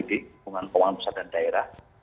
keuangan pusat dan daerah